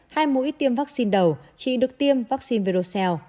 khi tiêm vaccine đầu chị được tiêm vaccine verocell